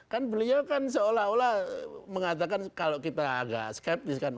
kan beliau kan seolah olah mengatakan kalau kita agak skeptis kan